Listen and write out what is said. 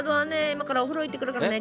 今からお風呂行ってくるからね。